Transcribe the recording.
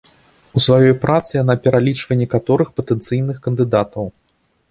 У сваёй працы яна пералічвае некаторых патэнцыйных кандыдатаў.